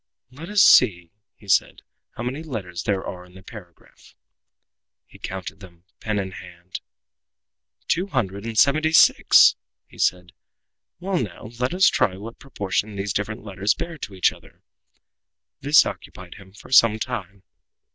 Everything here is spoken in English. "Let us see," he said, "how many letters there are in the paragraph." He counted them, pen in hand. "Two hundred and seventy six!" he said. "Well, now let us try what proportion these different letters bear to each other." This occupied him for some time.